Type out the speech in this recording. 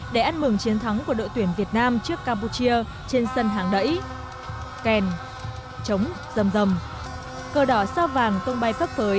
để ăn mừng chiến thắng của đội tuyển việt nam trước campuchia trên sân hàng đẩy